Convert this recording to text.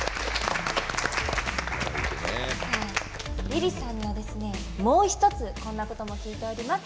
ｉｒｉさんには、もう１つこんなことも聞いております。